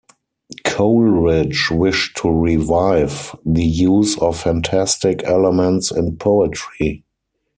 Coleridge wished to revive the use of fantastic elements in poetry.